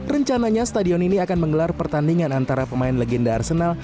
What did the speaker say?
rencananya stadion ini akan menggelar pertandingan antara pemain legenda arsenal